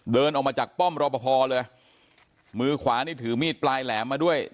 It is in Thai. เดินออกมาจากป้อมรอปภเลยมือขวานี่ถือมีดปลายแหลมมาด้วย